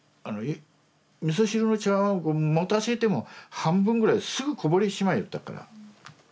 みそ汁の茶わんを持たせても半分ぐらいすぐこぼれてしまいよったから。